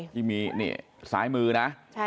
ที่มีนี่ซ้ายมือนะ